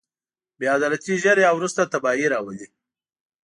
بې عدالتي ژر یا وروسته تباهي راولي.